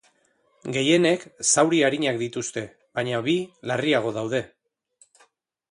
Gehienek zauri arinak dituzte, baina bi larriago daude.